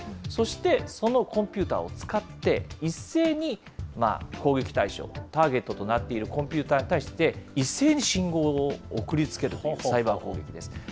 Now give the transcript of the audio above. そして、そのコンピューターを使って、一斉に、攻撃対象、ターゲットとなっているコンピューターに対して一斉に信号を送りつけるというサイバー攻撃です。